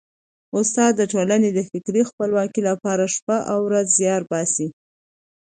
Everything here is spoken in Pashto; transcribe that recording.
استاد د ټولني د فکري خپلواکۍ لپاره شپه او ورځ زیار باسي.